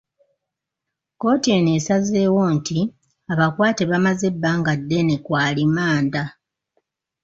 Kkooti eno esazeewo nti abakwate bamaze ebbanga ddene ku alimanda.